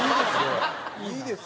いいですよ。